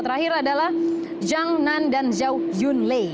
terakhir adalah zhang nan dan zhao yunlei